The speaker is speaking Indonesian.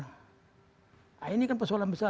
nah ini kan persoalan besar